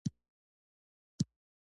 ځکه په تاسو کې موږ هېڅ بدلون نه احساسوو.